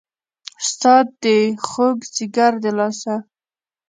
ستا د خوږ ځیګر د لاسه